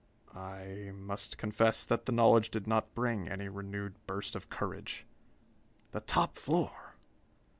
I must confess that the knowledge did not bring any renewed burst of courage! The top floor!